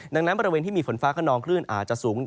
ดังนั้นบริเวณที่มีฝนฟ้าขนองคลื่นอาจจะสูง